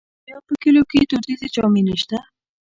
آیا په کلیو کې دودیزې جامې نشته؟